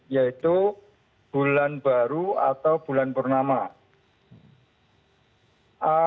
yaitu bulan baru atau bulan purnama